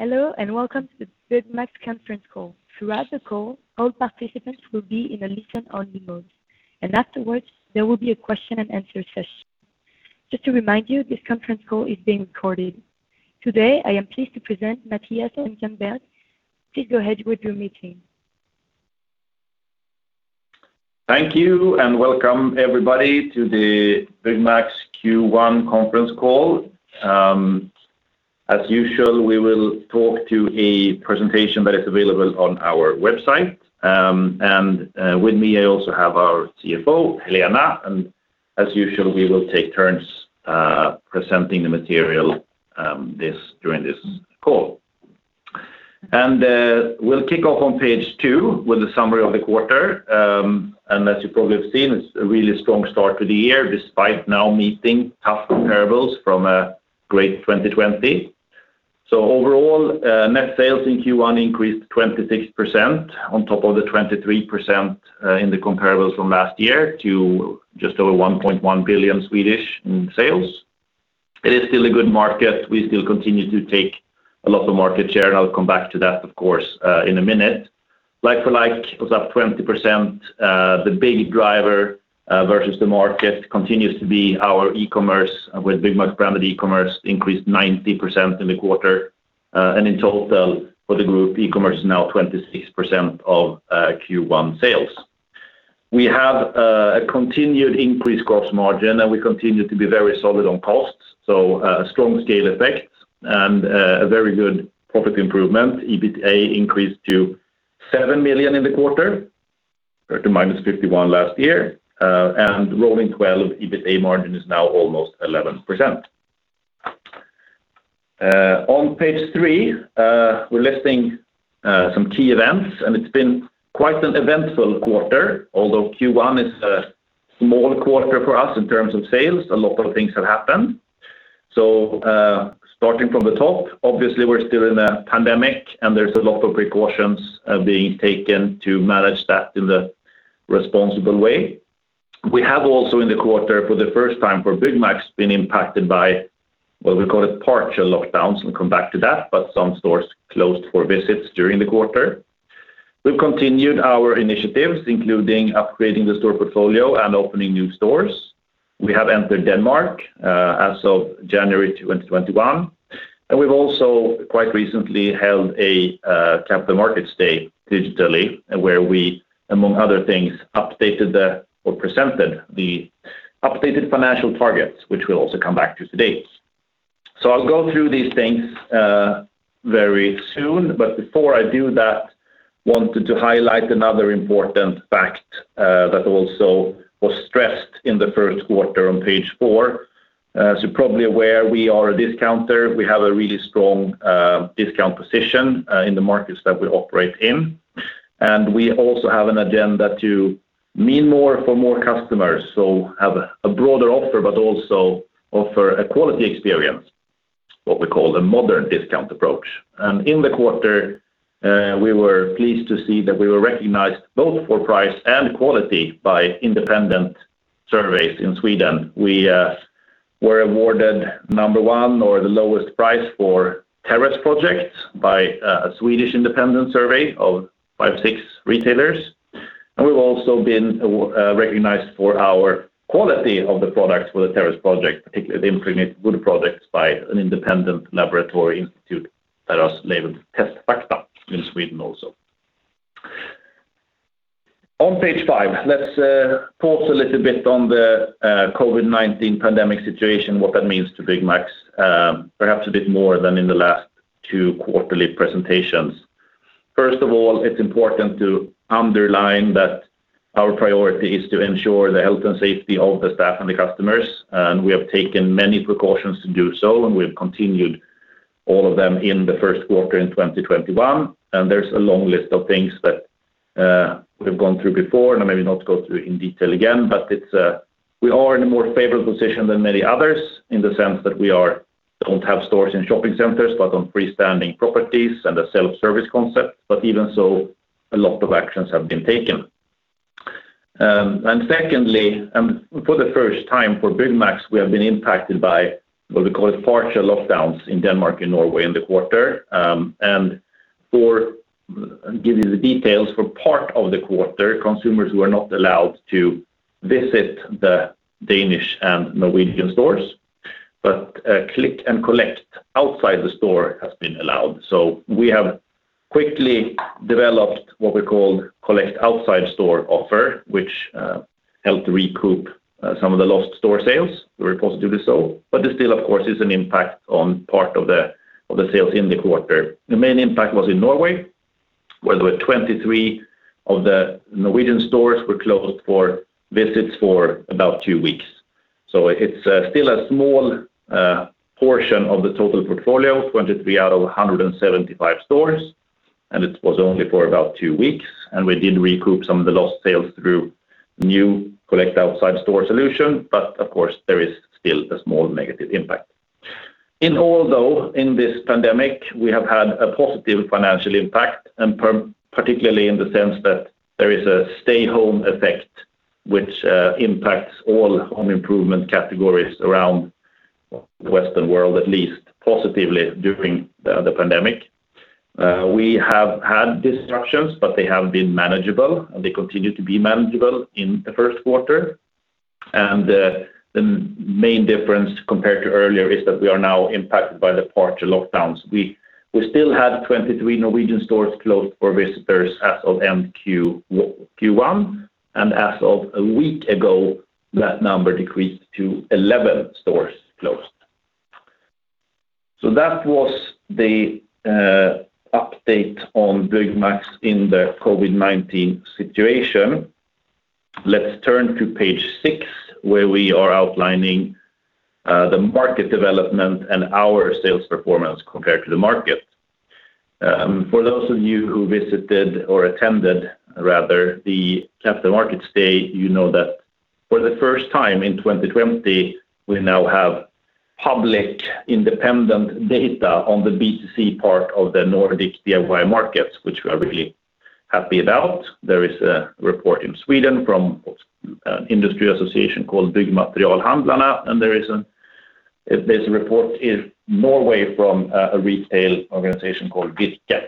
Hello, welcome to the Byggmax Conference Call. Throughout the call, all participants will be in a listen-only mode, and afterwards there will be a question-and-answer session. Just to remind you, this conference call is being recorded. Today, I am pleased to present Mattias and Helena. Please go ahead with your meeting. Thank you, welcome everybody to the Byggmax Q1 Conference Call. As usual, we will talk to a presentation that is available on our website. With me, I also have our CFO, Helena. As usual, we will take turns presenting the material during this call. We'll kick off on page two with the summary of the quarter. As you probably have seen, it's a really strong start to the year despite now meeting tough comparables from a great 2020. Overall, net sales in Q1 increased 26% on top of the 23% in the comparables from last year to just over 1.1 billion in sales. It is still a good market. We still continue to take a lot of market share, and I'll come back to that, of course, in a minute. Like-for-like, it was up 20%. The big driver versus the market continues to be our e-commerce, with Byggmax e-commerce increased 90% in the quarter. In total for the group, e-commerce is now 26% of Q1 sales. We have a continued increased gross margin, and we continue to be very solid on costs. Strong scale effects and a very good profit improvement. EBITDA increased to 7 million in the quarter, compared to -51 million last year. Rolling 12 EBITDA margin is now almost 11%. On page three, we're listing some key events, and it's been quite an eventful quarter. Although Q1 is a small quarter for us in terms of sales, a lot of things have happened. Starting from the top, obviously we're still in a pandemic and there's a lot of precautions being taken to manage that in the responsible way. We have also in the quarter, for the first time for Byggmax, been impacted by what we call it partial lockdowns, and we'll come back to that, but some stores closed for visits during the quarter. We've continued our initiatives, including upgrading the store portfolio and opening new stores. We have entered Denmark as of January 2021, and we've also quite recently held a Capital Markets Day digitally where we among other things presented the updated financial targets, which we'll also come back to today. I'll go through these things very soon, but before I do that, wanted to highlight another important fact that also was stressed in the first quarter on page four. As you're probably aware, we are a discounter. We have a really strong discount position in the markets that we operate in. We also have an agenda to mean more for more customers, so have a broader offer but also offer a quality experience, what we call a modern discount approach. In the quarter, we were pleased to see that we were recognized both for price and quality by independent surveys in Sweden. We were awarded number one or the lowest price for Terrassprojekt by a Swedish independent survey of five, six retailers. We've also been recognized for our quality of the products for the Terrassprojekt, particularly the impregnated wood products by an independent laboratory institute that was labeled Testfakta in Sweden also. On page five, let's pause a little bit on the COVID-19 pandemic situation, what that means to Byggmax, perhaps a bit more than in the last two quarterly presentations. First of all, it's important to underline that our priority is to ensure the health and safety of the staff and the customers. We have taken many precautions to do so, and we've continued all of them in the first quarter in 2021. There's a long list of things that we've gone through before, I maybe not go through in detail again, but we are in a more favorable position than many others in the sense that we don't have stores in shopping centers, but on freestanding properties and a self-service concept. Even so, a lot of actions have been taken. Secondly, for the first time for Byggmax, we have been impacted by what we call partial lockdowns in Denmark and Norway in the quarter. To give you the details, for part of the quarter, consumers were not allowed to visit the Danish and Norwegian stores. Click and collect outside the store has been allowed. We have quickly developed what we call collect outside store offer, which helped recoup some of the lost store sales. We were forced to do so. There still, of course, is an impact on part of the sales in the quarter. The main impact was in Norway, where there were 23 of the Norwegian stores were closed for visits for about two weeks. It's still a small portion of the total portfolio, 23 out of 175 stores, and it was only for about two weeks, and we did recoup some of the lost sales through new collect outside store solution. Of course, there is still a small negative impact. In all, though, in this pandemic, we have had a positive financial impact and particularly in the sense that there is a stay home effect, which impacts all home improvement categories around the Western world, at least positively during the pandemic. We have had disruptions, but they have been manageable and they continue to be manageable in the first quarter. The main difference compared to earlier is that we are now impacted by the partial lockdowns. We still had 23 Norwegian stores closed for visitors as of end Q1, and as of a week ago, that number decreased to 11 stores closed. That was the update on Byggmax in the COVID-19 situation. Let's turn to page six, where we are outlining the market development and our sales performance compared to the mark et. For those of you who visited or attended, rather, the Capital Markets Day, you know that for the first time in 2020, we now have public independent data on the B2C part of the Nordic DIY markets, which we are really happy about. There is a report in Sweden from an industry association called Byggmaterialhandlarna, and there's a report in Norway from a retail organization called Byggfakta.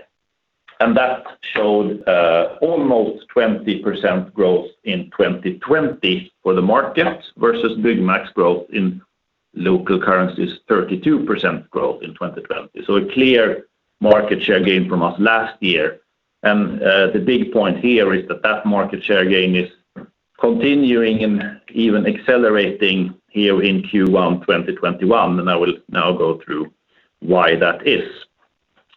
That showed almost 20% growth in 2020 for the market versus Byggmax growth in local currencies, 32% growth in 2020. A clear market share gain from us last year. The big point here is that market share gain is continuing and even accelerating here in Q1 2021, and I will now go through why that is.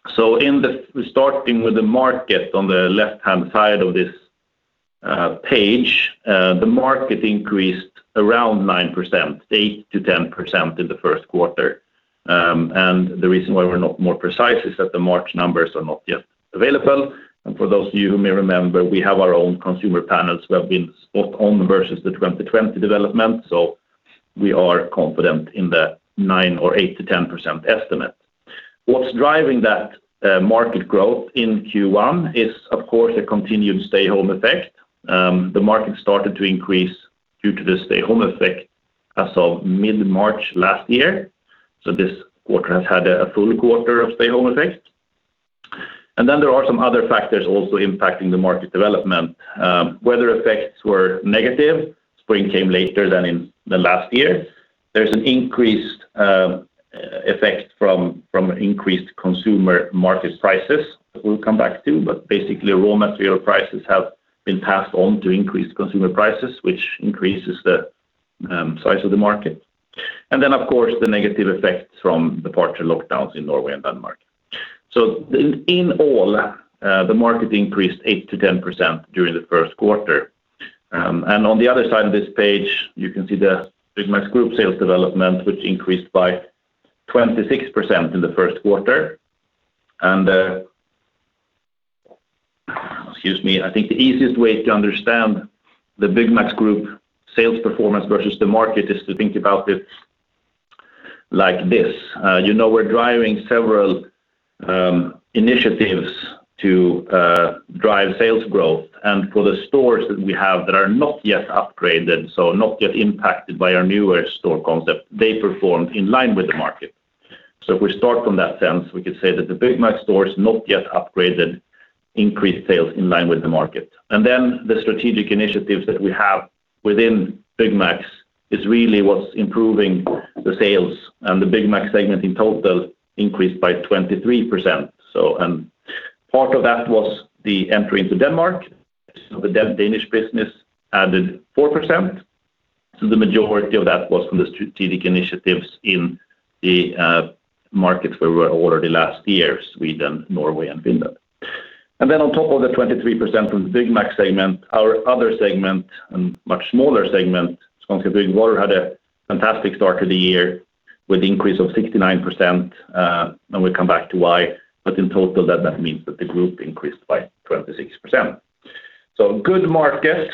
Starting with the market on the left-hand side of this page, the market increased around 9%, 8%-10% in the first quarter. The reason why we're not more precise is that the March numbers are not yet available. For those of you who may remember, we have our own consumer panels who have been spot on versus the 2020 development, so we are confident in the nine or 8%-10% estimate. What's driving that market growth in Q1 is, of course, a continued stay-home effect. The market started to increase due to the stay-home effect as of mid-March last year. This quarter has had a full quarter of stay-home effect. There are some other factors also impacting the market development. Weather effects were negative. Spring came later than in the last year. There's an increased effect from increased consumer market prices, that we'll come back to, but basically raw material prices have been passed on to increase consumer prices, which increases the size of the market. Then, of course, the negative effects from the partial lockdowns in Norway and Denmark. In all, the market increased 8%-10% during the first quarter. On the other side of this page, you can see the Byggmax Group sales development, which increased by 26% in the first quarter. Excuse me. I think the easiest way to understand the Byggmax Group sales performance versus the market is to think about it like this. You know we're driving several initiatives to drive sales growth. For the stores that we have that are not yet upgraded, so not yet impacted by our newer store concept, they performed in line with the market. If we start from that sense, we could say that the Byggmax stores not yet upgraded increased sales in line with the market. The strategic initiatives that we have within Byggmax is really what's improving the sales. The Byggmax segment in total increased by 23%. Part of that was the entry into Denmark. The Danish business added 4%. The majority of that was from the strategic initiatives in the markets where we were already last year, Sweden, Norway, and Finland. On top of the 23% from the Byggmax segment, our other segment and much smaller segment, Skånska Byggvaror, had a fantastic start to the year with increase of 69%, and we'll come back to why. In total, that means that the group increased by 26%. A good market,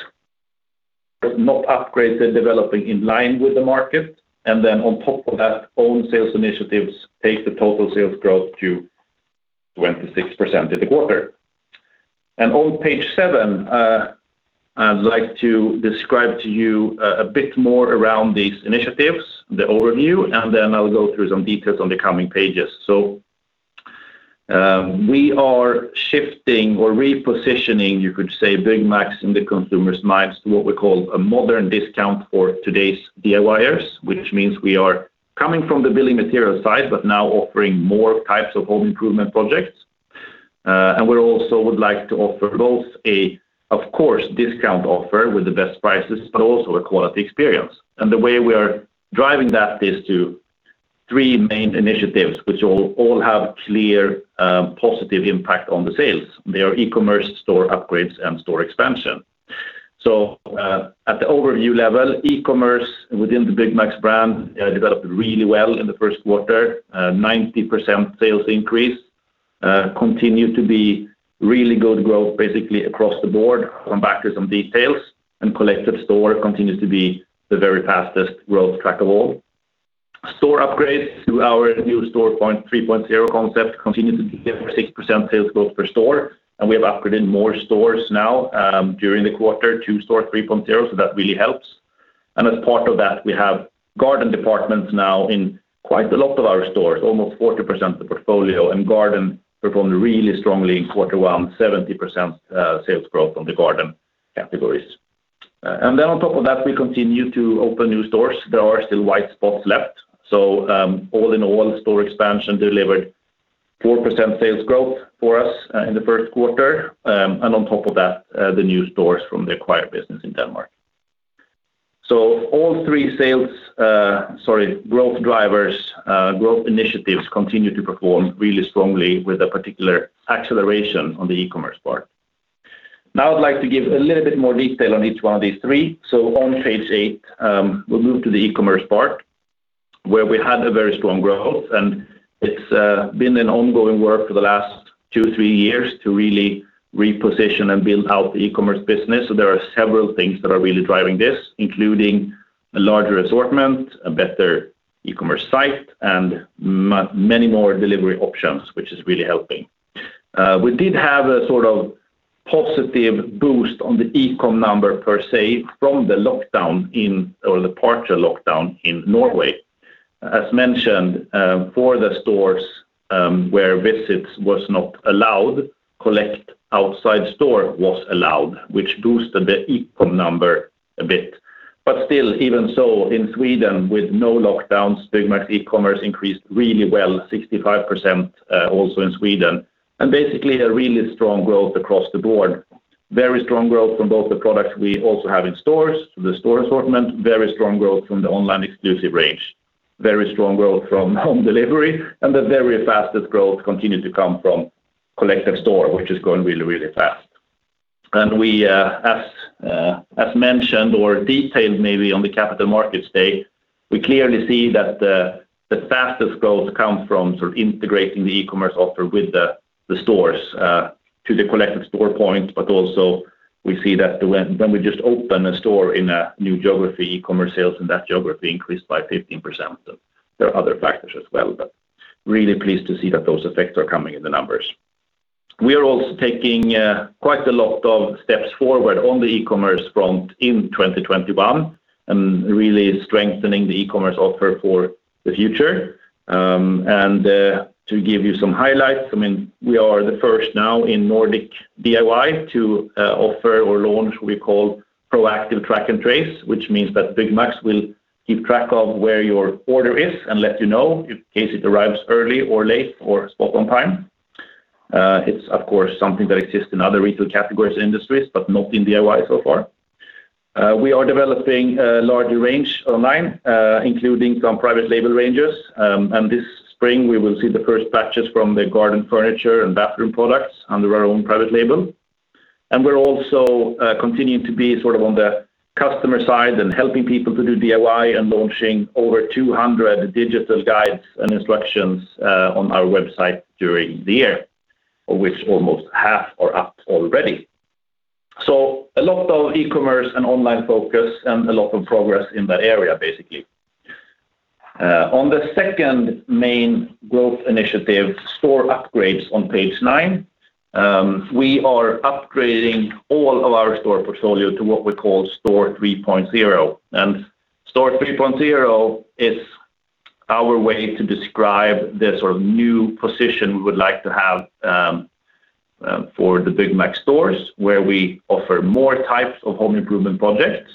but not upgraded, developing in line with the market. On top of that, own sales initiatives take the total sales growth to 26% in the quarter. On page seven, I'd like to describe to you a bit more around these initiatives, the overview, and then I'll go through some details on the coming pages. We are shifting or repositioning, you could say, Byggmax in the consumer's minds to what we call a modern discount for today's DIYers, which means we are coming from the building material side, but now offering more types of home improvement projects. We also would like to offer both a, of course, discount offer with the best prices, but also a quality experience. The way we are driving that is through three main initiatives, which all have clear positive impact on the sales. They are e-commerce, store upgrades, and store expansion. At the overview level, e-commerce within the Byggmax brand developed really well in the first quarter. 90% sales increase. Continue to be really good growth, basically across the board. Come back to some details. Collect outside store continues to be the very fastest growth track of all. Store upgrades to our new Store 3.0 concept continued to deliver 6% sales growth per store. We have upgraded more stores now during the quarter to Store 3.0, that really helps. As part of that, we have garden departments now in quite a lot of our stores, almost 40% of the portfolio. Garden performed really strongly in quarter 1, 70% sales growth on the garden categories. On top of that, we continue to open new stores. There are still white spots left. All in all, store expansion delivered 4% sales growth for us in the first quarter. On top of that, the new stores from the acquired business in Denmark. All three growth initiatives continue to perform really strongly with a particular acceleration on the e-commerce part. Now I'd like to give a little bit more detail on each one of these three. On page eight, we'll move to the e-commerce part, where we had a very strong growth. It's been an ongoing work for the last two, three years to really reposition and build out the e-commerce business. There are several things that are really driving this, including a larger assortment, a better e-commerce site, and many more delivery options, which is really helping. We did have a sort of positive boost on the e-com number per se from the lockdown in, or the partial lockdown in Norway. As mentioned, for the stores where visits was not allowed, collect outside store was allowed, which boosted the e-com number a bit. Still, even so in Sweden, with no lockdowns, Byggmax e-commerce increased really well, 65% also in Sweden. Basically a really strong growth across the board. Very strong growth from both the products we also have in stores, the store assortment, very strong growth from the online exclusive range. Very strong growth from home delivery, and the very fastest growth continued to come from collect outside store, which is growing really, really fast. We, as mentioned or detailed maybe on the Capital Markets Day, we clearly see that the fastest growth comes from sort of integrating the e-commerce offer with the stores to the collect outside store point. Also we see that when we just open a store in a new geography, e-commerce sales in that geography increased by 15%. There are other factors as well, but really pleased to see that those effects are coming in the numbers. We are also taking quite a lot of steps forward on the e-commerce front in 2021 and really strengthening the e-commerce offer for the future. To give you some highlights, we are the first now in Nordic DIY to offer or launch what we call proactive track and trace, which means that Byggmax will keep track of where your order is and let you know in case it arrives early or late or spot on time. It's of course something that exists in other retail categories and industries, but not in DIY so far. We are developing a larger range online, including some private label ranges. This spring we will see the first batches from the garden furniture and bathroom products under our own private label. We're also continuing to be sort of on the customer side and helping people to do DIY and launching over 200 digital guides and instructions on our website during the year, of which almost half are up already. A lot of e-commerce and online focus and a lot of progress in that area, basically. On the second main growth initiative, store upgrades on page nine. We are upgrading all of our store portfolio to what we call Store 3.0. Store 3.0 is our way to describe the sort of new position we would like to have for the Byggmax stores, where we offer more types of home improvement projects.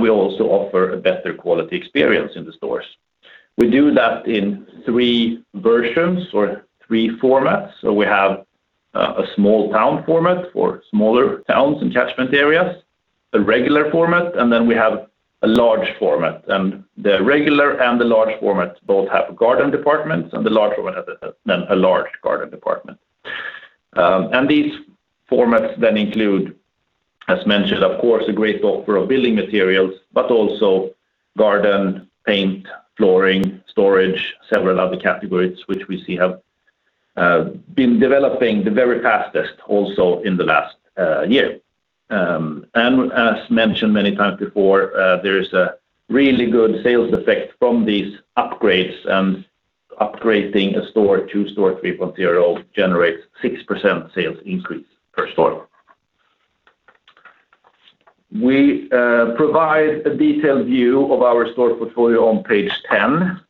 We also offer a better quality experience in the stores. We do that in three versions or three formats. We have a small town format for smaller towns and catchment areas, a regular format, and we have a large format. The regular and the large format both have a garden department, and the large one has a large garden department. These formats include, as mentioned, of course, a great offer of building materials, but also garden, paint, flooring, storage, several other categories which we see have been developing the very fastest also in the last year. As mentioned many times before, there is a really good sales effect from these upgrades, and upgrading a store to Store 3.0 generates 6% sales increase per store. We provide a detailed view of our store portfolio on page 10.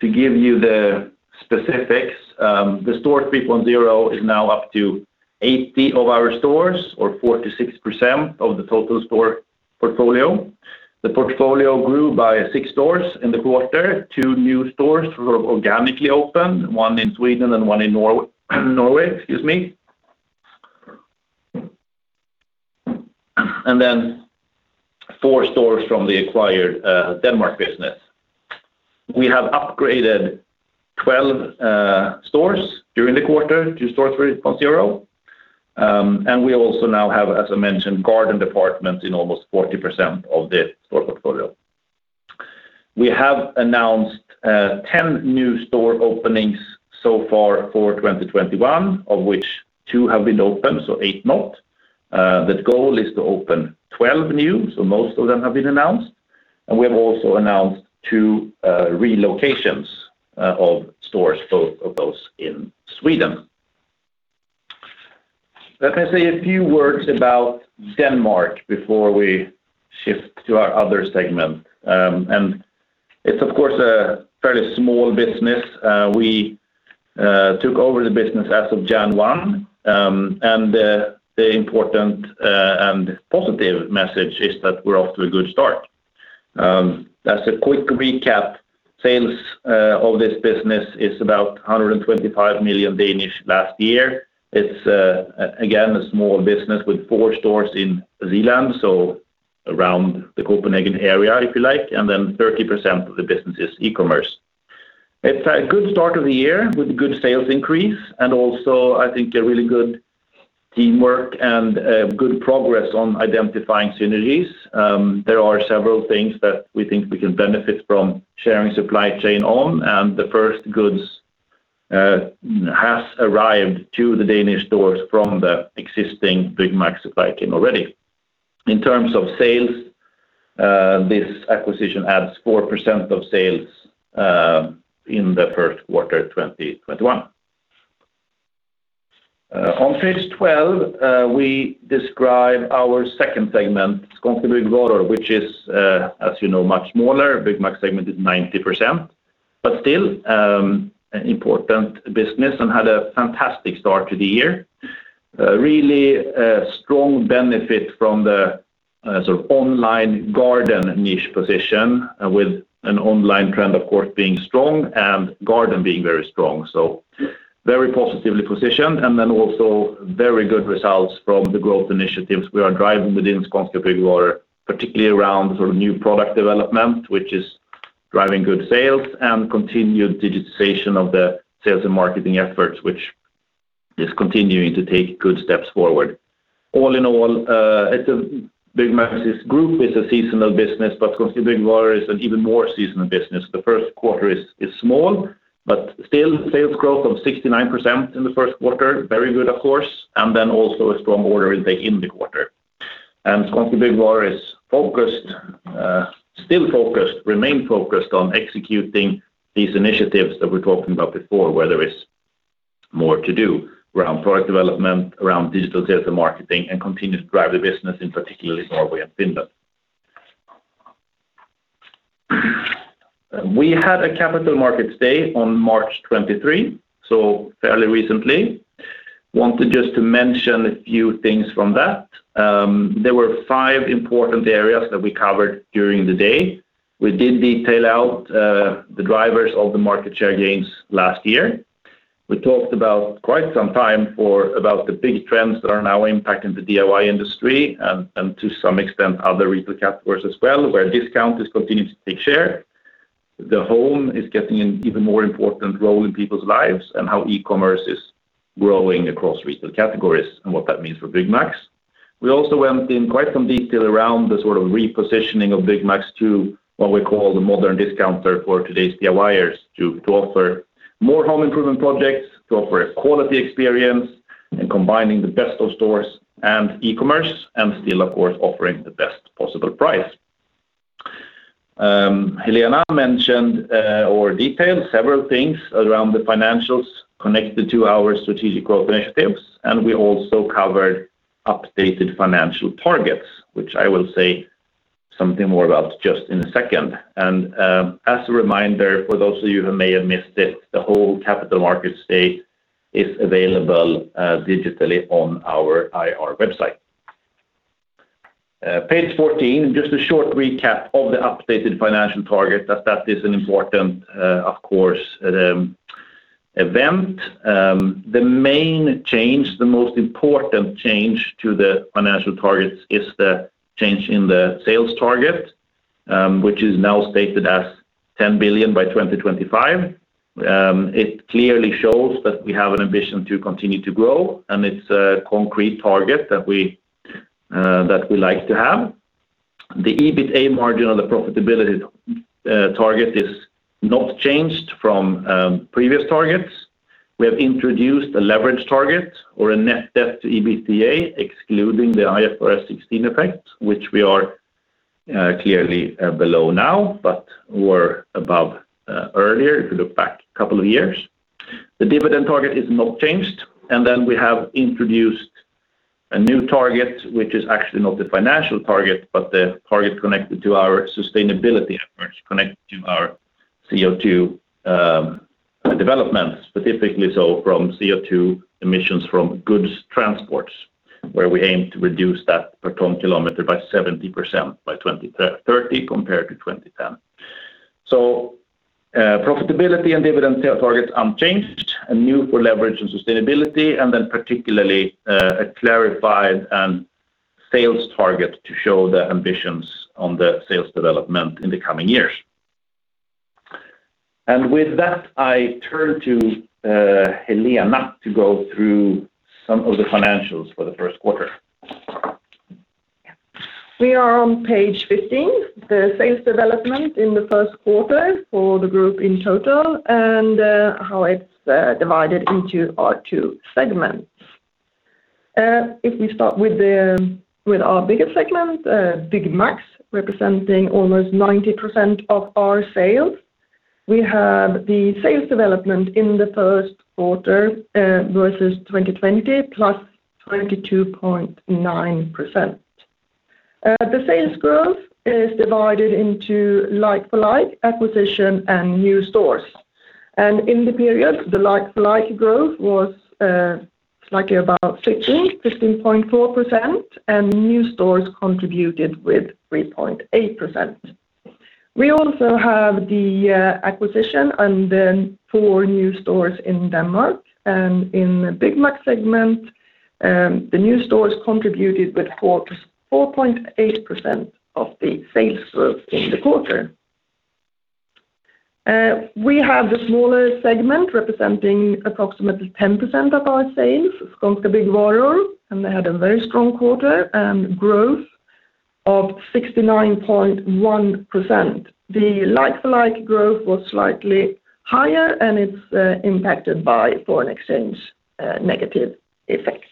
To give you the specifics, the Store 3.0 is now up to 80 of our stores or 46% of the total store portfolio. The portfolio grew by six stores in the quarter. Two new stores were organically opened, one in Sweden and one in Norway. Excuse me. Four stores from the acquired Denmark business. We have upgraded 12 stores during the quarter to Store 3.0. We also now have, as I mentioned, garden departments in almost 40% of the store portfolio. We have announced 10 new store openings so far for 2021, of which two have been opened, so eight not. The goal is to open 12 new. Most of them have been announced, and we have also announced two relocations of stores, both of those in Sweden. Let me say a few words about Denmark before we shift to our other segment. It's of course a fairly small business. We took over the business as of Jan. one, and the important and positive message is that we're off to a good start. As a quick recap, sales of this business is about 125 million last year. It's, again, a small business with four stores in Zealand, so around the Copenhagen area, if you like. Then 30% of the business is e-commerce. It's a good start of the year with good sales increase and also I think a really good teamwork and good progress on identifying synergies. There are several things that we think we can benefit from sharing supply chain on, and the first goods have arrived to the Danish stores from the existing Byggmax supply chain already. In terms of sales, this acquisition adds 4% of sales in the first quarter 2021. On page 12, we describe our second segment, Skånska Byggvaror, which is, as you know, much smaller. Byggmax segment is 90%, still an important business and had a fantastic start to the year. Really strong benefit from the online garden niche position with an online trend, of course, being strong and garden being very strong. Very positively positioned and then also very good results from the growth initiatives we are driving within Skånska Byggvaror, particularly around new product development, which is driving good sales and continued digitization of the sales and marketing efforts, which is continuing to take good steps forward. All in all, Byggmax Group is a seasonal business, Skånska Byggvaror is an even more seasonal business. The first quarter is small, still sales growth of 69% in the first quarter. Very good, of course. Then also a strong order intake in the quarter. Skånska Byggvaror is still focused, remain focused on executing these initiatives that we are talking about before, where there is more to do around product development, around digital sales and marketing, and continue to drive the business in particularly Norway and Finland. We had a Capital Markets Day on March 23, so fairly recently. I wanted just to mention a few things from that. There were five important areas that we covered during the day. We did detail out the drivers of the market share gains last year. We talked about quite some time about the big trends that are now impacting the DIY industry and to some extent other retail categories as well, where discount is continuing to take share. The home is getting an even more important role in people's lives and how e-commerce is growing across retail categories and what that means for Byggmax. We also went in quite some detail around the repositioning of Byggmax to what we call the modern discounter for today's DIYers to offer more home improvement projects, to offer a quality experience, combining the best of stores and e-commerce, still, of course, offering the best possible price. Helena mentioned or detailed several things around the financials connected to our strategic growth initiatives. We also covered updated financial targets, which I will say something more about just in a second. As a reminder for those of you who may have missed it, the whole Capital Markets Day is available digitally on our IR website. Page 14, just a short recap of the updated financial target as that is an important, of course, event. The main change, the most important change to the financial targets is the change in the sales target, which is now stated as 10 billion by 2025. It clearly shows that we have an ambition to continue to grow, and it's a concrete target that we like to have. The EBITA margin on the profitability target is not changed from previous targets. We have introduced a leverage target or a net debt to EBITDA, excluding the IFRS 16 effect, which we are clearly below now but were above earlier if you look back a couple of years. The dividend target is not changed. We have introduced a new target, which is actually not a financial target, but the target connected to our sustainability efforts, connected to our CO2 development specifically. From CO2 emissions from goods transports, where we aim to reduce that per ton kilometer by 70% by 2030 compared to 2010. Profitability and dividend sales targets unchanged and new for leverage and sustainability, particularly a clarified sales target to show the ambitions on the sales development in the coming years. With that, I turn to Helena to go through some of the financials for the first quarter. We are on page 15, the sales development in the first quarter for the group in total and how it's divided into our two segments. If we start with our biggest segment, Byggmax, representing almost 90% of our sales, we have the sales development in the first quarter versus 2020, +22.9%. The sales growth is divided into like-for-like acquisition and new stores. In the period, the like-for-like growth was slightly above 15.4%, and new stores contributed with 3.8%. We also have the acquisition and then four new stores in Denmark. In the Byggmax segment, the new stores contributed with 4.8% of the sales growth in the quarter. We have the smaller segment representing approximately 10% of our sales, Skånska Byggvaror. They had a very strong quarter growth of 69.1%. The like-for-like growth was slightly higher, and it's impacted by foreign exchange negative effects.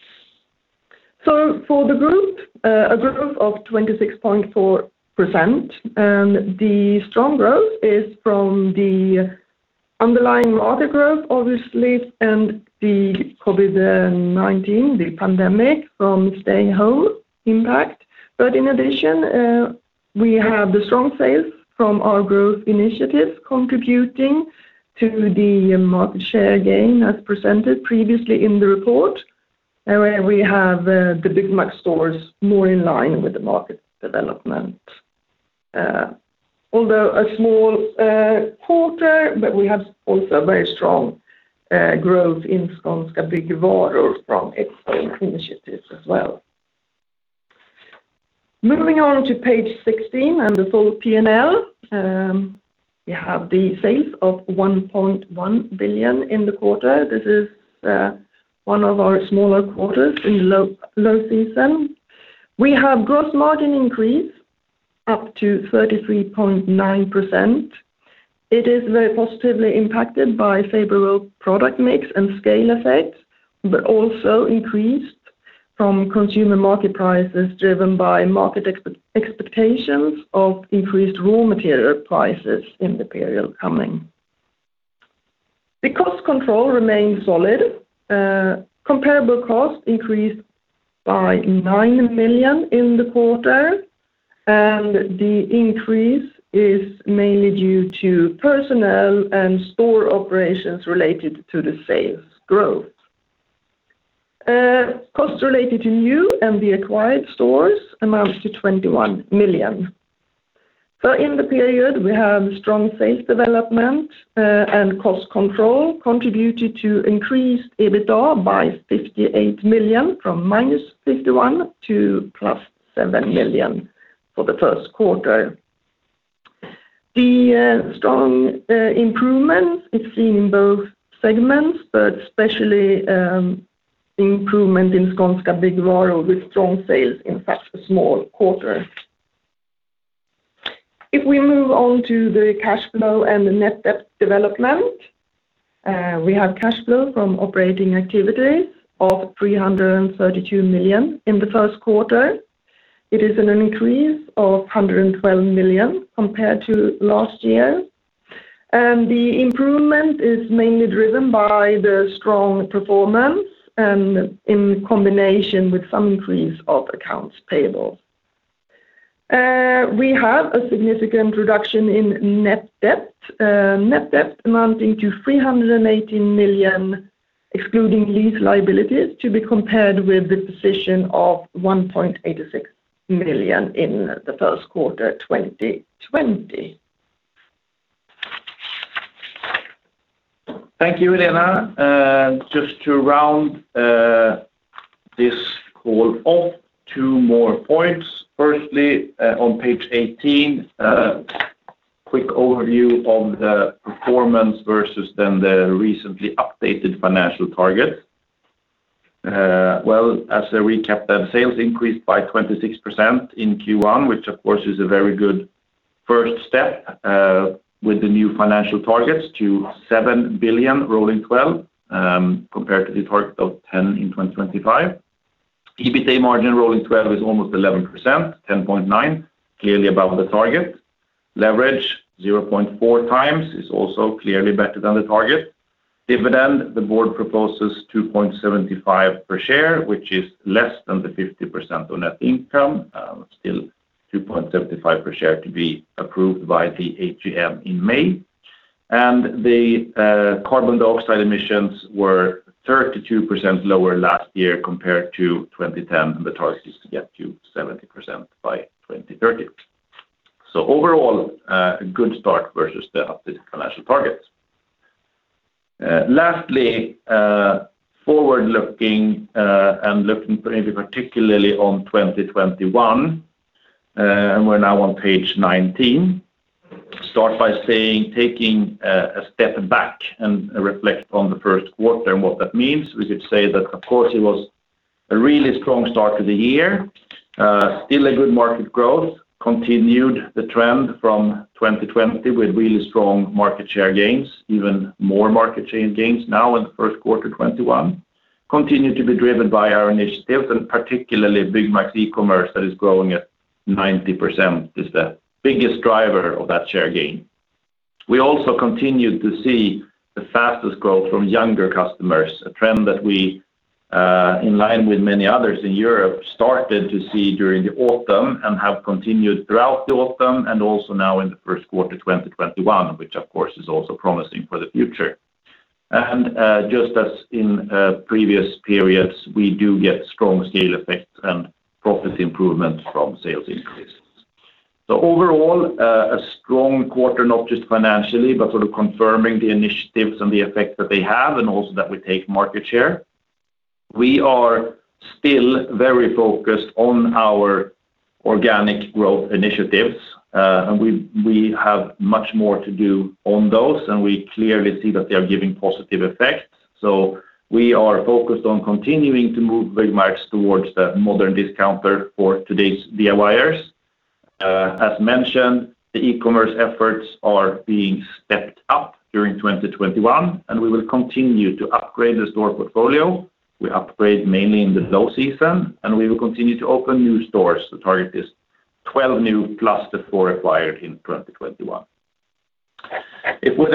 For the group, a growth of 26.4%, and the strong growth is from the underlying order growth, obviously, and the COVID-19, the pandemic from stay-home impact. In addition, we have the strong sales from our growth initiatives contributing to the market share gain as presented previously in the report, where we have the Byggmax stores more in line with the market development. Although a small quarter, we have also very strong growth in Skånska Byggvaror from its own initiatives as well. Moving on to page 16 and the full P&L. We have the sales of 1.1 billion in the quarter. This is one of our smaller quarters in low season. We have gross margin increase up to 33.9%. It is very positively impacted by favorable product mix and scale effects, but also increased from consumer market prices driven by market expectations of increased raw material prices in the period coming. The cost control remains solid. Comparable cost increased by 9 million in the quarter, and the increase is mainly due to personnel and store operations related to the sales growth. Cost related to new and the acquired stores amounts to 21 million. In the period, we have strong sales development and cost control contributed to increased EBITDA by 58 million, from -51 million to +7 million for the first quarter. The strong improvement is seen in both segments, but especially improvement in Skånska Byggvaror with strong sales in such a small quarter. If we move on to the cash flow and the net debt development, we have cash flow from operating activity of 332 million in the first quarter. It is an increase of 112 million compared to last year. The improvement is mainly driven by the strong performance and in combination with some increase of accounts payable. We have a significant reduction in net debt. Net debt amounting to 318 million, excluding lease liabilities, to be compared with the position of 1.86 million in the first quarter 2020. Thank you, Helena. Just to round this call off, two more points. Firstly, on page 18, a quick overview of the performance versus then the recently updated financial target. Well, as a recap then, sales increased by 26% in Q1, which, of course, is a very good first step with the new financial targets to 7 billion rolling 12, compared to the target of 10 billion in 2025. EBITA margin rolling 12 is almost 11%, 10.9%, clearly above the target. Leverage 0.4x is also clearly better than the target. Dividend, the board proposes 2.75 per share, which is less than the 50% on net income. Still 2.75 per share to be approved by the AGM in May. The carbon dioxide emissions were 32% lower last year compared to 2010, and the target is to get to 70% by 2030. Overall, a good start versus the updated financial targets. Lastly, forward-looking and looking maybe particularly on 2021, and we're now on page 19. Start by saying, taking a step back and reflect on the first quarter and what that means. We could say that, of course, it was a really strong start to the year. Still a good market growth. Continued the trend from 2020 with really strong market share gains, even more market share gains now in the first quarter 2021. Continue to be driven by our initiatives, and particularly Byggmax e-commerce that is growing at 90%, is the biggest driver of that share gain. We also continued to see the fastest growth from younger customers, a trend that we, in line with many others in Europe, started to see during the autumn and have continued throughout the autumn and also now in the first quarter 2021, which of course is also promising for the future. Just as in previous periods, we do get strong scale effects and profit improvement from sales increases. Overall, a strong quarter, not just financially, but sort of confirming the initiatives and the effect that they have and also that we take market share. We are still very focused on our organic growth initiatives. We have much more to do on those, and we clearly see that they are giving positive effects. We are focused on continuing to move Byggmax towards the modern discounter for today's DIYers. As mentioned, the eCommerce efforts are being stepped up during 2021, and we will continue to upgrade the store portfolio. We upgrade mainly in the low season, and we will continue to open new stores. The target is 12 new plus the four acquired in 2021. If we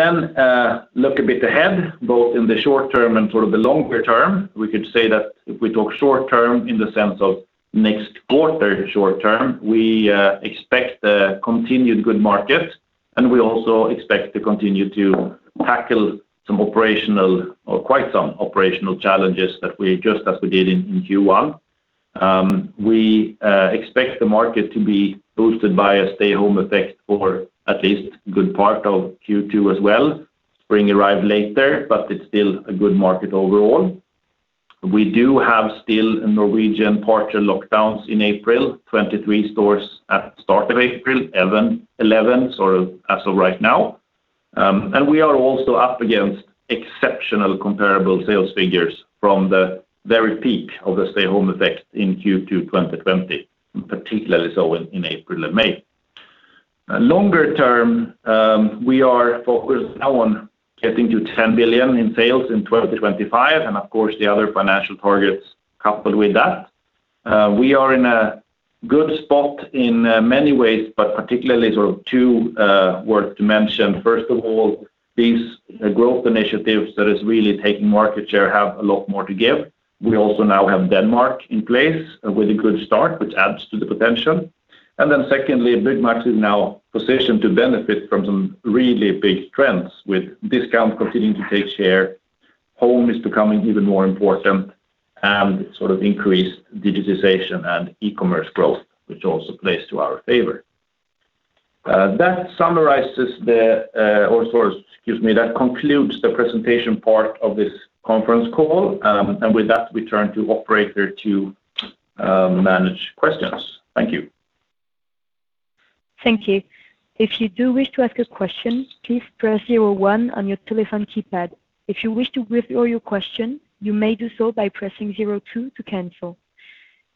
look a bit ahead, both in the short term and sort of the longer term, we could say that if we talk short term in the sense of next quarter short term, we expect a continued good market, and we also expect to continue to tackle some operational or quite some operational challenges that we just as we did in Q1. We expect the market to be boosted by a stay home effect for at least good part of Q2 as well. Spring arrived later, but it's still a good market overall. We do have still Norwegian partial lockdowns in April, 23 stores at start of April, 11 sort of as of right now. We are also up against exceptional comparable sales figures from the very peak of the stay home effect in Q2 2020, and particularly so in April and May. Longer term, we are focused now on getting to 10 billion in sales in 2025, and of course, the other financial targets coupled with that. We are in a good spot in many ways, but particularly sort of two worth to mention. First of all, these growth initiatives that is really taking market share have a lot more to give. We also now have Denmark in place with a good start, which adds to the potential. Secondly, Byggmax is now positioned to benefit from some really big trends with discounts continuing to take share. Home is becoming even more important and sort of increased digitization and eCommerce growth, which also plays to our favor. That concludes the presentation part of this conference call. With that, we turn to operator to manage questions. Thank you. Thank you. If you do wish to ask a question, please press zero one on your telephone keypad. If you wish to withdraw your question, you may do so by pressing zero two to cancel.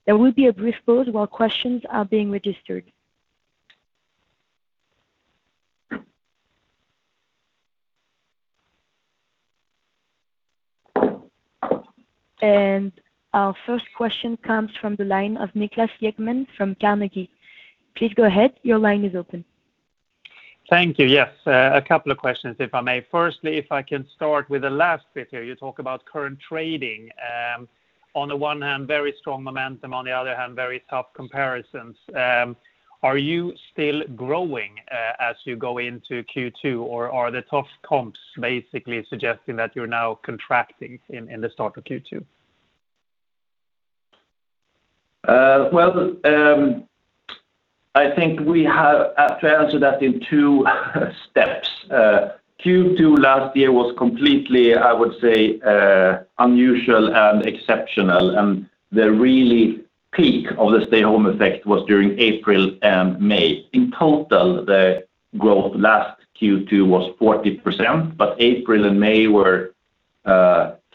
There will be a brief pause while questions are being registered. And our first question comes from the line of Niklas Ekman from Carnegie. Please go ahead. Your line is open. Thank you. Yes. A couple of questions, if I may. Firstly, if I can start with the last bit here. You talk about current trading. On the one hand, very strong momentum, on the other hand, very tough comparisons. Are you still growing as you go into Q2, or are the tough comps basically suggesting that you're now contracting in the start of Q2? Well, I think we have to answer that in two steps. Q2 last year was completely, I would say, unusual and exceptional, and the really peak of the stay home effect was during April and May. In total, the growth last Q2 was 40%, but April and May were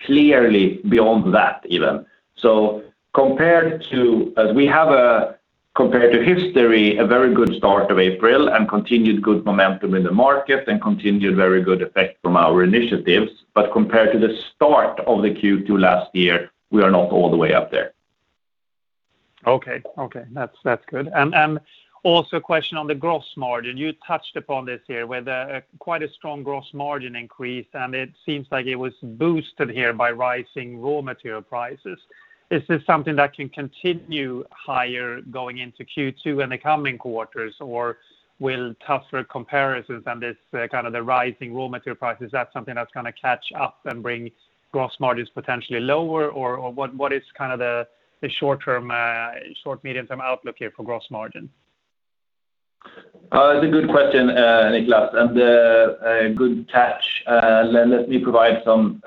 clearly beyond that even. Compared to history, a very good start of April and continued good momentum in the market and continued very good effect from our initiatives, but compared to the start of the Q2 last year, we are not all the way up there. Okay. That's good. Also a question on the gross margin. You touched upon this here with quite a strong gross margin increase, and it seems like it was boosted here by rising raw material prices. Is this something that can continue higher going into Q2 and the coming quarters, or will tougher comparisons and this kind of the rising raw material prices, is that something that's going to catch up and bring gross margins potentially lower? What is the short medium-term outlook here for gross margin? It's a good question, Niklas, and a good catch. Let me provide some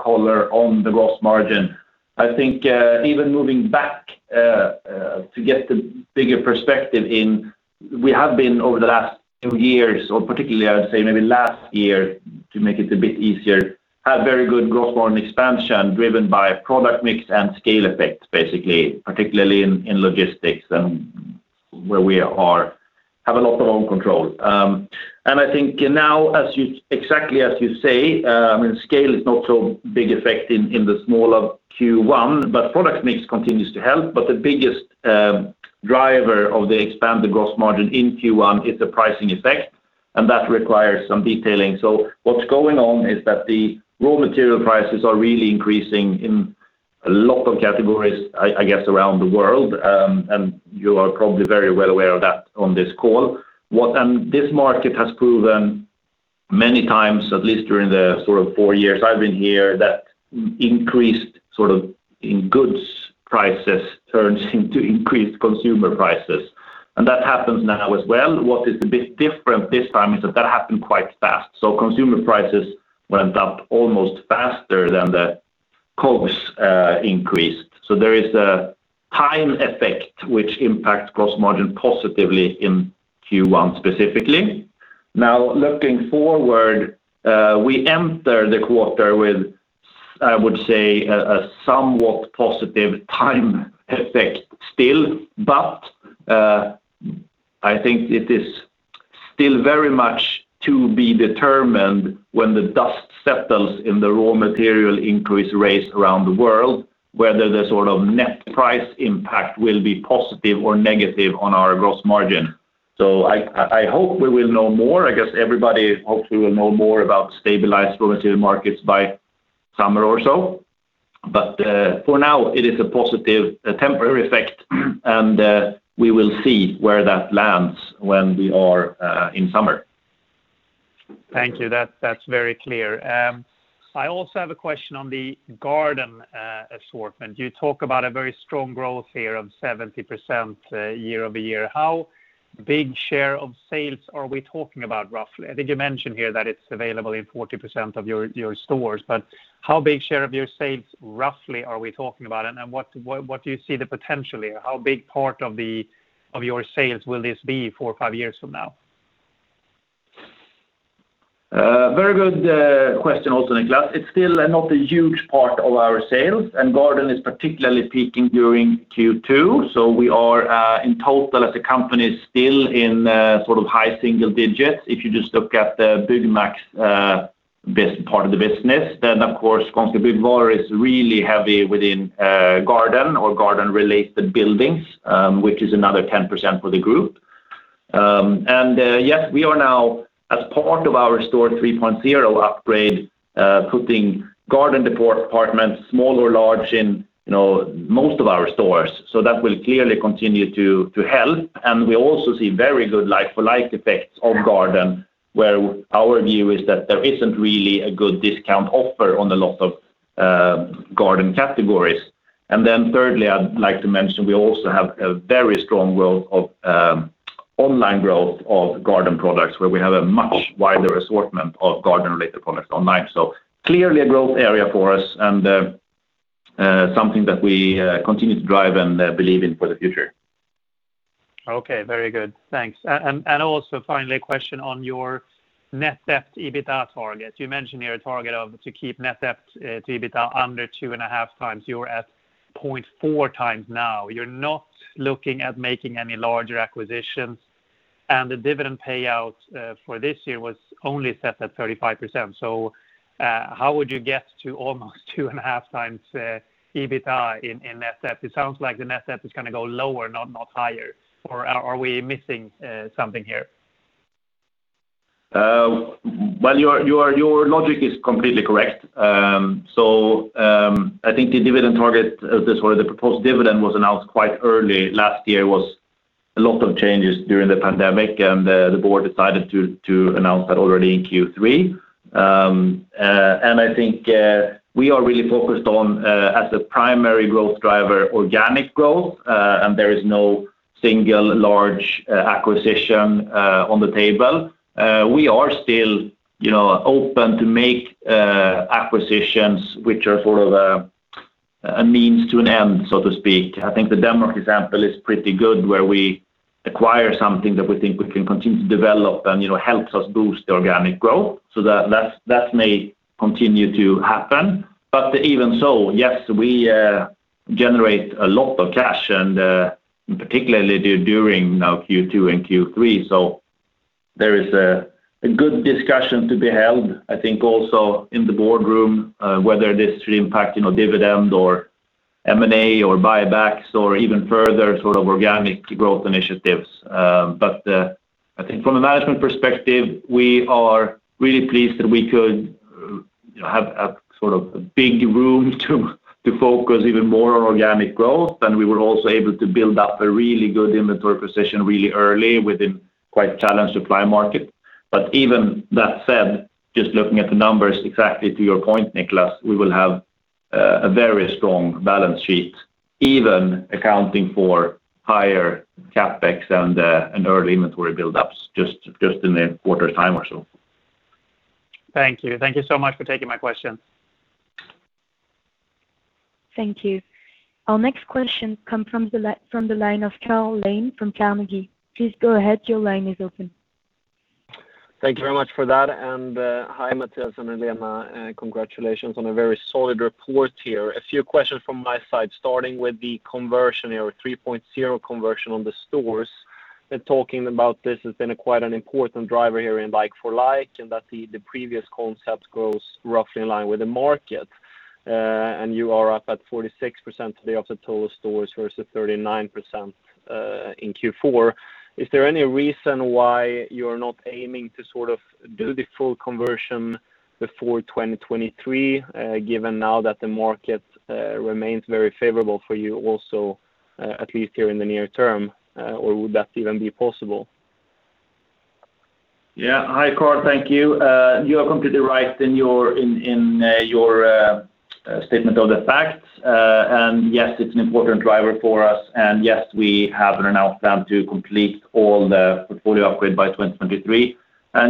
color on the gross margin. I think even moving back to get the bigger perspective in, we have been over the last two years, or particularly I would say maybe last year to make it a bit easier, had very good growth on expansion driven by product mix and scale effects, basically, particularly in logistics and where we have a lot of own control. I think now exactly as you say, scale is not so big effect in the smaller Q1, but product mix continues to help. The biggest driver of the expanded gross margin in Q1 is the pricing effect, and that requires some detailing. What's going on is that the raw material prices are really increasing in a lot of categories, I guess, around the world. You are probably very well aware of that on this call. This market has proven many times, at least during the four years I've been here, that increased in goods prices turns into increased consumer prices. That happens now as well. What is a bit different this time is that happened quite fast. Consumer prices went up almost faster than the COGS increased. There is a time effect which impacts gross margin positively in Q1 specifically. Now, looking forward, we enter the quarter with, I would say, a somewhat positive time effect still. I think it is still very much to be determined when the dust settles in the raw material increase rates around the world, whether the sort of net price impact will be positive or negative on our gross margin. I hope we will know more. I guess everybody hopes we will know more about stabilized raw material markets by summer or so. For now, it is a positive temporary effect and we will see where that lands when we are in summer. Thank you. That's very clear. I also have a question on the garden assortment. You talk about a very strong growth here of 70% year-over-year. How big share of sales are we talking about, roughly? I think you mentioned here that it's available in 40% of your stores, but how big share of your sales roughly are we talking about? What do you see the potential here? How big part of your sales will this be four or five years from now? Very good question also, Niklas. It's still not a huge part of our sales, and garden is particularly peaking during Q2, so we are, in total as a company, still in sort of high single digits. If you just look at the Byggmax part of the business, then of course, Byggmax Kongsberg is really heavy within garden or garden-related buildings, which is another 10% for the group. Yes, we are now as part of our Store 3.0 upgrade, putting garden department, small or large in most of our stores. That will clearly continue to help. We also see very good like-for-like effects of garden, where our view is that there isn't really a good discount offer on a lot of garden categories. Thirdly, I'd like to mention, we also have a very strong online growth of garden products, where we have a much wider assortment of garden-related products online. Clearly a growth area for us and something that we continue to drive and believe in for the future. Okay. Very good. Thanks. Finally, a question on your net debt EBITDA target. You mentioned your target to keep net debt to EBITDA under 2.5x. You're at 0.4x now. You're not looking at making any larger acquisitions, and the dividend payout for this year was only set at 35%. How would you get to almost 2.5x EBITDA in net debt? It sounds like the net debt is going to go lower, not higher, or are we missing something here? Well, your logic is completely correct. I think the dividend target, the proposed dividend was announced quite early last year, was a lot of changes during the pandemic, and the board decided to announce that already in Q3. I think we are really focused on, as the primary growth driver, organic growth. There is no single large acquisition on the table. We are still open to make acquisitions which are sort of a means to an end, so to speak. I think the Denmark example is pretty good, where we acquire something that we think we can continue to develop and helps us boost organic growth. That may continue to happen. Even so, yes, we generate a lot of cash and particularly during now Q2 and Q3. There is a good discussion to be held, I think, also in the boardroom, whether this should impact dividend or M&A or buybacks or even further organic growth initiatives. I think from a management perspective, we are really pleased that we could have a big room to focus even more on organic growth. We were also able to build up a really good inventory position really early within quite challenged supply market. Even that said, just looking at the numbers, exactly to your point, Niklas, we will have a very strong balance sheet, even accounting for higher CapEx and early inventory buildups just in a quarter's time or so. Thank you. Thank you so much for taking my question. Thank you. Our next question comes from the line of Karl Lane from Carnegie. Please go ahead. Your line is open. Thank you very much for that. Hi, Mattias and Helena, and congratulations on a very solid report here. A few questions from my side, starting with the Store 3.0 conversion on the stores. Talking about this has been quite an important driver here in like-for-like, and that the previous concept grows roughly in line with the market. You are up at 46% today of the total stores versus 39% in Q4. Is there any reason why you are not aiming to do the full conversion before 2023, given now that the market remains very favorable for you also, at least here in the near term? Or would that even be possible? Yeah. Hi, Karl. Thank you. You are completely right in your statement of the facts. Yes, it's an important driver for us. Yes, we have an outcome to complete all the portfolio upgrade by 2023.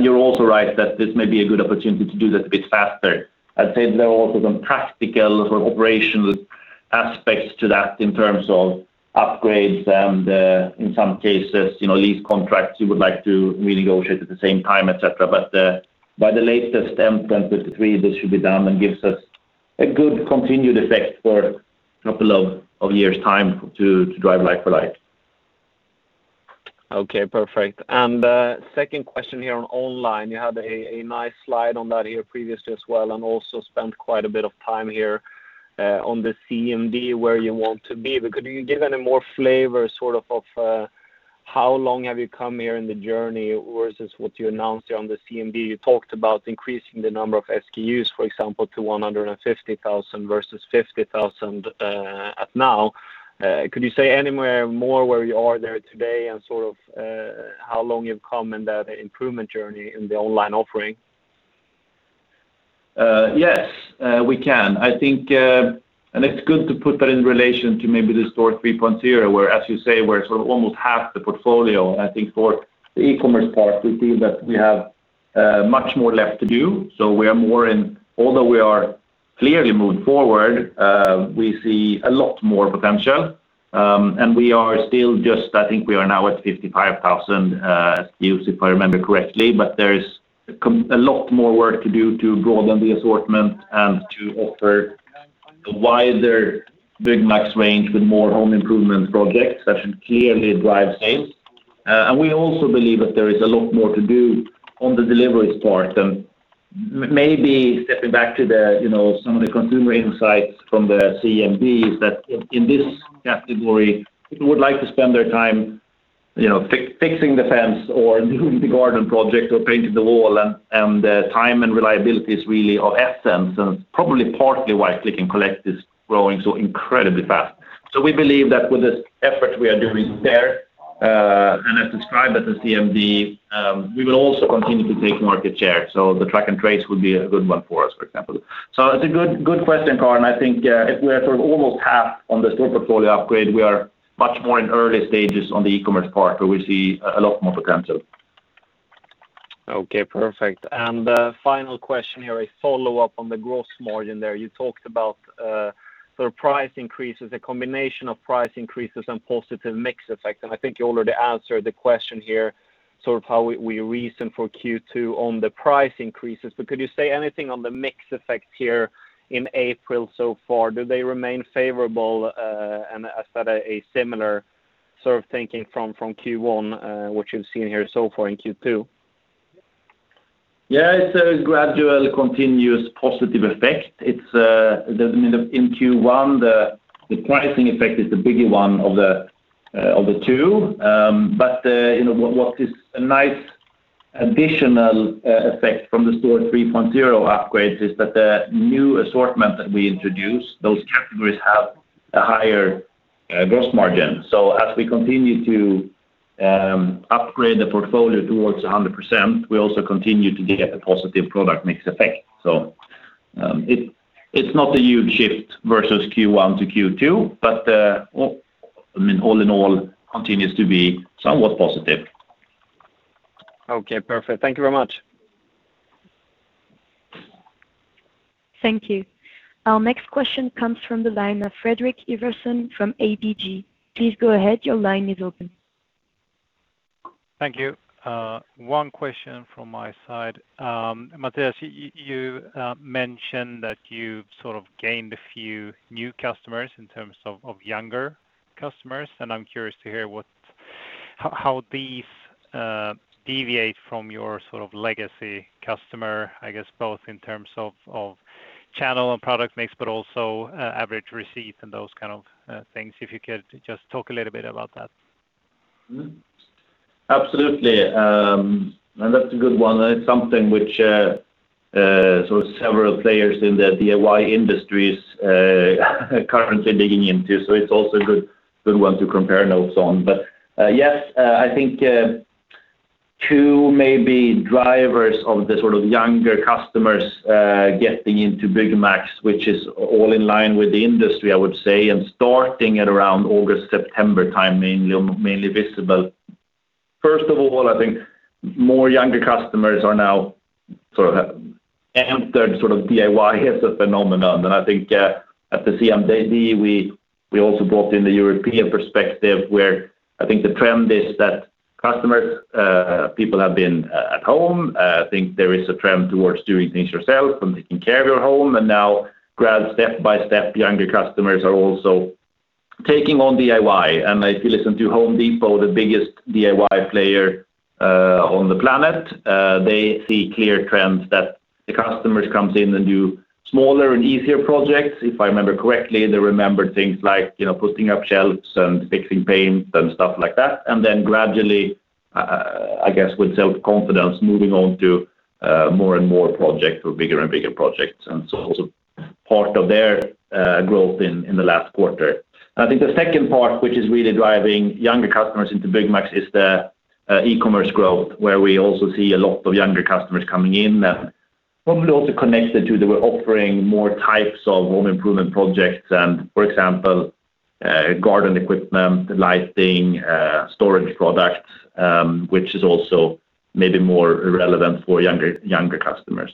You're also right that this may be a good opportunity to do that a bit faster. I'd say there are also some practical sort of operational aspects to that in terms of upgrades and in some cases, lease contracts you would like to renegotiate at the same time, et cetera. By the latest end 2023, this should be done and gives us a good continued effect for a couple of years' time to drive like-for-like. Okay, perfect. Second question here on online. You had a nice slide on that here previously as well, and also spent quite a bit of time here on the CMD where you want to be. Could you give any more flavor sort of how long have you come here in the journey versus what you announced here on the CMD? You talked about increasing the number of SKUs, for example, to 150,000 versus 50,000 at now. Could you say anywhere more where you are there today and how long you've come in that improvement journey in the online offering? Yes, we can. I think, and it's good to put that in relation to maybe the Store 3.0, where, as you say, we're sort of almost half the portfolio. I think for the e-commerce part, we feel that we have much more left to do. Although we are clearly moving forward, we see a lot more potential. We are still just, I think we are now at 55,000 SKUs, if I remember correctly. There is a lot more work to do to broaden the assortment and to offer a wider Byggmax range with more home improvement projects that should clearly drive sales. We also believe that there is a lot more to do on the delivery part. Maybe stepping back to some of the consumer insights from the CMD is that in this category, people would like to spend their time fixing the fence or doing the garden project or painting the wall. The time and reliability is really of essence, and it's probably partly why click and collect is growing so incredibly fast. We believe that with the effort we are doing there, and as described at the CMD, we will also continue to take market share. The track and trace would be a good one for us, for example. It's a good question, Karl, and I think if we are sort of almost half on the store portfolio upgrade, we are much more in early stages on the e-commerce part where we see a lot more potential. Okay, perfect. Final question here, a follow-up on the gross margin there. You talked about price increases, a combination of price increases and positive mix effect. I think you already answered the question here, sort of how we reason for Q2 on the price increases. Could you say anything on the mix effect here in April so far? Do they remain favorable? Is that a similar sort of thinking from Q1, which you've seen here so far in Q2? Yeah. It's a gradual continuous positive effect. In Q1, the pricing effect is the bigger one of the two. What is a nice additional effect from the Store 3.0 upgrade is that the new assortment that we introduce, those categories have a higher gross margin. As we continue to upgrade the portfolio towards 100%, we also continue to get the positive product mix effect. It's not a huge shift versus Q1 to Q2, but all in all, continues to be somewhat positive. Okay, perfect. Thank you very much. Thank you. Our next question comes from the line of Fredrik Ivarsson from ABG. Please go ahead. Your line is open. Thank you. One question from my side. Mattias, you mentioned that you've sort of gained a few new customers in terms of younger customers, and I'm curious to hear how these deviate from your sort of legacy customer, I guess both in terms of channel and product mix, but also average receipt and those kind of things. If you could just talk a little bit about that. Absolutely. That's a good one. That is something which several players in the DIY industry is currently digging into, so it's also a good one to compare notes on. Yes, I think two maybe drivers of the sort of younger customers getting into Byggmax, which is all in line with the industry, I would say, and starting at around August, September time, mainly visible. First of all, I think more younger customers are now sort of amped, sort of DIY as a phenomenon. I think at the CMD, we also brought in the European perspective where I think the trend is that customers, people have been at home. I think there is a trend towards doing things yourself and taking care of your home. Now grad step by step, younger customers are also taking on DIY. If you listen to The Home Depot, the biggest DIY player on the planet, they see clear trends that the customers comes in and do smaller and easier projects. If I remember correctly, they remember things like putting up shelves and fixing paints and stuff like that. Gradually, I guess, with self-confidence, moving on to more and more projects or bigger and bigger projects, and so also part of their growth in the last quarter. I think the second part, which is really driving younger customers into Byggmax is the e-commerce growth, where we also see a lot of younger customers coming in that probably also connected to they were offering more types of home improvement projects and, for example, garden equipment, lighting, storage products, which is also maybe more relevant for younger customers.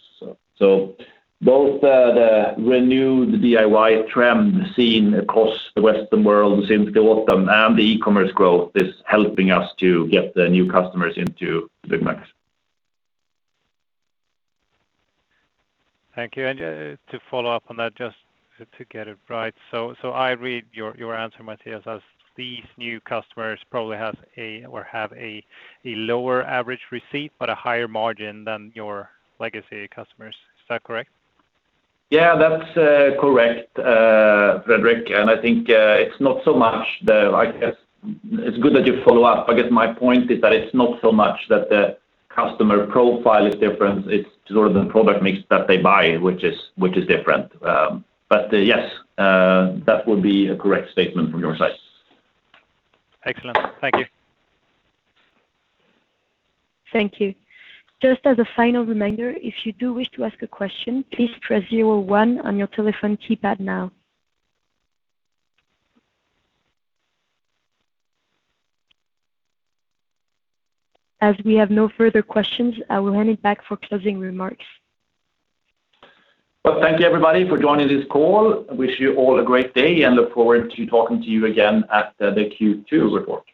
Both the renewed DIY trend seen across the Western world since the autumn and the e-commerce growth is helping us to get the new customers into Byggmax. Thank you. To follow up on that, just to get it right. I read your answer, Mattias, as these new customers probably have or had a lower average receipt, but a higher margin than your legacy customers. Is that correct? Yeah, that's correct, Fredrik. I guess it's good that you follow up. I guess my point is that it's not so much that the customer profile is different, it's sort of the product mix that they buy, which is different. Yes, that would be a correct statement from your side. Excellent. Thank you. Thank you. Just as a final reminder, if you do wish to ask a question, please press zero one on your telephone keypad now. We have no further questions, I will hand it back for closing remarks. Well, thank you, everybody, for joining this call. I wish you all a great day and look forward to talking to you again at the Q2 report.